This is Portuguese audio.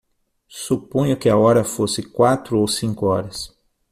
Suponho que a hora fosse quatro ou cinco horas.